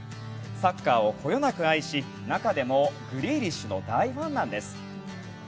サッカーをこよなく愛し中でもグリーリッシュの大ファンなんです。